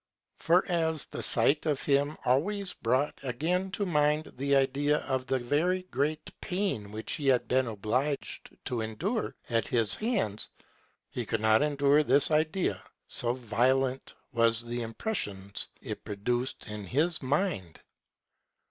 For as the sight of him always brought again to mind the idea of the very great pain which he had been obliged to endure at his hands, he could not endure this idea, so violent were the impressions it produced in his mind.